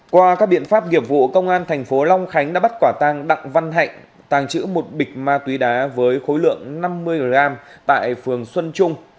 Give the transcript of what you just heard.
qua các biện pháp nghiệp vụ công an thành phố long khánh đã bắt quả tăng đặng văn hạnh tàng trữ một bịch ma túy đá với khối lượng năm mươi g tại phường xuân trung